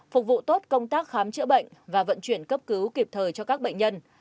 phục vụ tốt công tác khám chữa bệnh và vận chuyển cấp cứu kịp thời cho các bệnh nhân